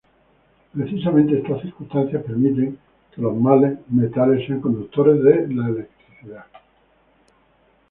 Precisamente esta circunstancia permite que los metales sean conductores de la electricidad.